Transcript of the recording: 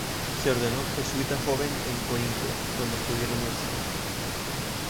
Se ordenó jesuita joven en Coimbra, donde estudió en la universidad.